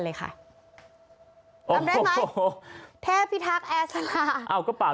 เลยค่ะทำได้ไหมโอ้โฮโฮโฮเทพภิทักษ์แอร์ซาล่าเอาก็ปาก